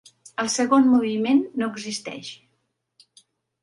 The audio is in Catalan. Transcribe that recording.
El segon moviment no existeix.